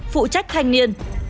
phụ trách thanh niên